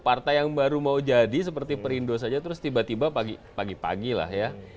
partai yang baru mau jadi seperti perindo saja terus tiba tiba pagi pagi lah ya